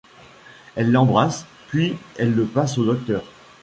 Elle l’embrasse, puis elle le passe au docteur.